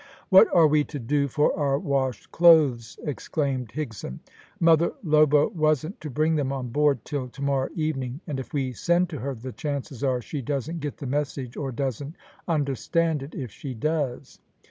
"What are we to do for our washed clothes?" exclaimed Higson. "Mother Lobo wasn't to bring them on board till to morrow evening, and if we send to her the chances are she doesn't get the message or doesn't understand it if she does."